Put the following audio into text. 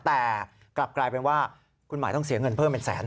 แต่กลับกลายเป็นว่าคุณหมายต้องเสียเงินเพิ่มเป็นแสน